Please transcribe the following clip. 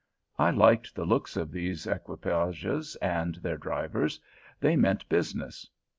I liked the looks of these equipages and their drivers; they meant business.